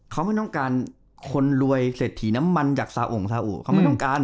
เขาไม่ต้องการคนรวยเศรษฐีน้ำมันจากซาองซาอุเขาไม่ต้องการ